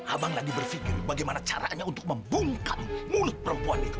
abang lagi berpikir bagaimana caranya untuk membungkam mulut perempuan itu